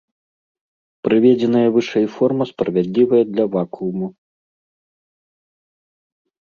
Прыведзеная вышэй форма справядлівая для вакууму.